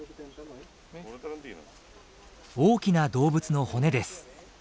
大きな動物の骨です。